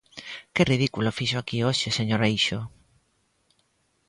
¡Que ridículo fixo aquí hoxe, señor Eixo!